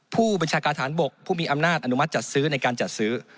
ผู้บัญชาการฐานบกผู้มีอำนาจอนุมัติจัดซื้อในการจัดซื้อ